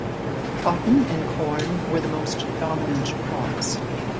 Cotton and corn were the most dominant crops.